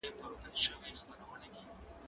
ايا ته ځواب ليکې.